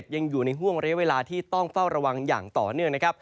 ยังอยู่ในห่วงระยะเวลาที่ต้องเฝ้าระวังอย่างต่อเนื่องนะครับ